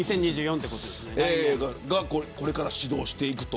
これから始動していくと。